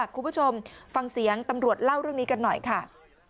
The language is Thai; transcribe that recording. คุณผู้ชมฟังเสียงตำรวจเล่าเรื่องนี้กันหน่อยค่ะ